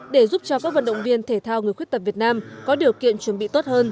để giúp cho các vận động viên thể thao người khuyết tật việt nam có điều kiện chuẩn bị tốt hơn